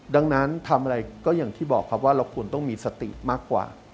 ดังนั้นทำอะไรก็อย่างที่บอกครับว่าเราควรต้องมีสติมากกว่า